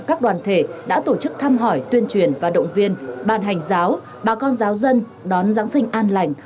các đoàn thể đã tổ chức thăm hỏi tuyên truyền và động viên bàn hành giáo bà con giáo dân đón giáng sinh an lành